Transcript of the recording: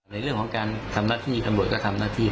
ในเรื่องของการทำหน้าที่ตำรวจก็ทำหน้าที่